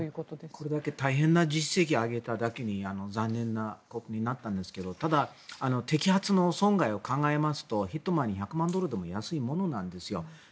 これだけ大変な実績を上げただけに残念なことになったんですがただ、摘発の損害を考えますとヒットマンに１００万ドルでも安いもんなんですよ。